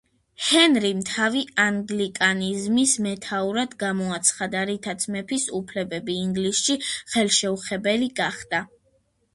ჰენრიმ თავი ანგლიკანიზმის მეთაურად გამოაცხადა, რითაც მეფის უფლებები ინგლისში ხელშეუხებელი გახდა.